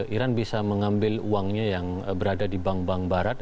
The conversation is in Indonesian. iran bisa mengambil uangnya yang berada di bank bank barat